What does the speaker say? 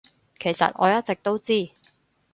其實我一直都知